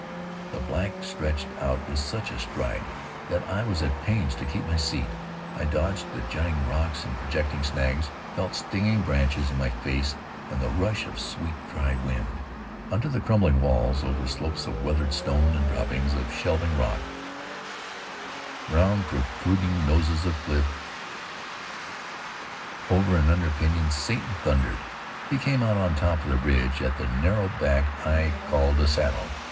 The black stretched out with such a stride that I was at pains to keep my seat. I dodged the jutting rocks and projecting snags; felt stinging branches in my face and the rush of sweet, dry wind. Under the crumbling walls, over slopes of weathered stone and droppings of shelving rock, round protruding noses of cliff, over and under pinyons Satan thundered. He came out on the top of the ridge, at the narrow back I had called a saddle.